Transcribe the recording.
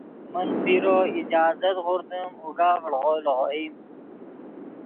من پیرو اجازت غوردیم اوگا ڤڑو لیغوئیم